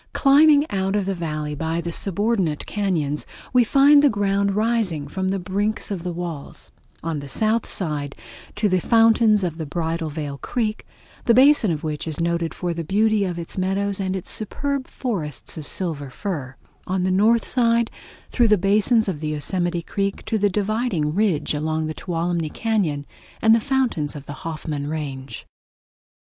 Climbing out of the Valley by the subordinate cañons, we find the ground rising from the brink of the walls: on the south side to the fountains of the Bridal Veil Creek, the basin of which is noted for the beauty of its meadows and its superb forests of silver fir; on the north side through the basin of the Yosemite Creek to the dividing ridge along the Tuolumne Cañon and the fountains of the Hoffman Range.